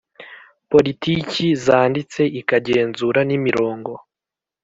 politiki zanditse ikagenzura n imirongo